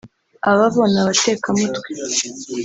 aba bo ni abateka mutwe